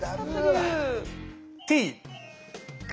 Ｔ！